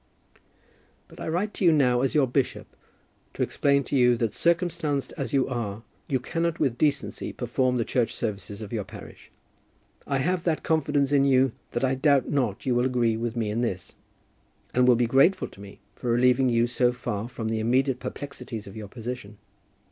But I write to you now as your bishop, to explain to you that circumstanced as you are, you cannot with decency perform the church services of your parish. I have that confidence in you that I doubt not you will agree with me in this, and will be grateful to me for relieving you so far from the immediate perplexities of your position.